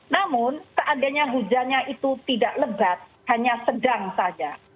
namun seandainya hujannya itu tidak lebat hanya sedang saja